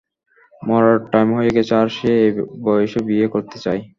মরার টাইম হয়ে গেছে আর সে এই বয়সে বিয়ে করতে চায়।